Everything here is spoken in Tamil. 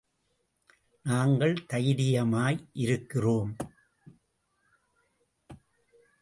நாங்கள் தைரியமாய் இருக்கிறோம்.